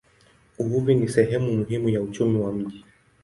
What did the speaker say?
Uvuvi ni sehemu muhimu ya uchumi wa mji.